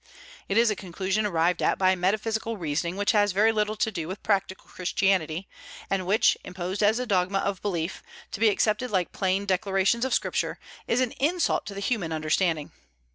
It is a conclusion arrived at by metaphysical reasoning, which has very little to do with practical Christianity, and which, imposed as a dogma of belief, to be accepted like plain declarations of Scripture, is an insult to the human understanding.